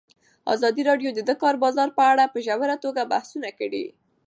ازادي راډیو د د کار بازار په اړه په ژوره توګه بحثونه کړي.